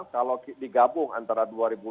kalau digabung antara dua ribu dua puluh